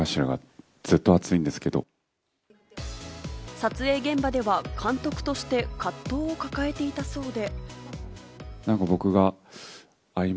撮影現場では監督として葛藤を抱えていたそうで。